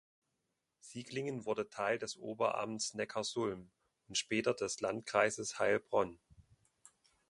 Siglingen wurde Teil des Oberamts Neckarsulm und später des Landkreises Heilbronn.